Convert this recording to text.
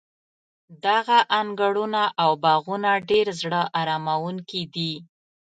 دغه انګړونه او باغونه ډېر زړه اراموونکي دي.